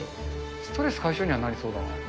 ストレス解消にはなりそうだ